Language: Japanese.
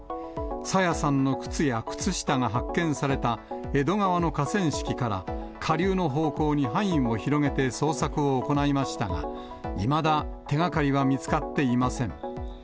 朝芽さんの靴や靴下が発見された江戸川の河川敷から、下流の方向に範囲を広げて捜索を行いましたが、いまだ手がかりは見つかっていません。